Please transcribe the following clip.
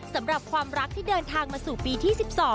สำหรับความรักที่เดินทางมาสู่ปีที่๑๒